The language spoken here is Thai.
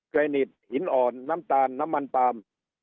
เครนิตหินอ่อนน้ำตาลน้ำมันปาล์ม